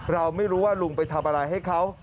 เราไม่รู้ว่าลุงไปทำอะไรให้เขา